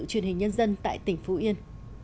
truyền hình nhân dân tại tỉnh phú yên